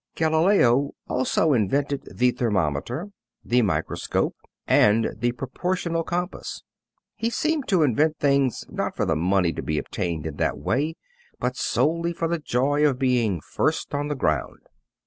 Galileo also invented the thermometer, the microscope and the proportional compass. He seemed to invent things not for the money to be obtained in that way, but solely for the joy of being first on the ground.